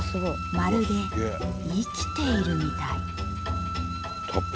まるで生きているみたい！達筆！